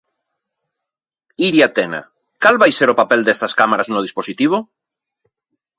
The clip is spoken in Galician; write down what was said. Iria Tena, cal vai ser o papel destas cámaras no dispositivo?